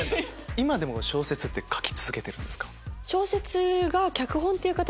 今でも小説書き続けてるんですか？